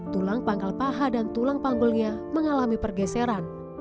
tulang pangkal paha dan tulang panggulnya mengalami pergeseran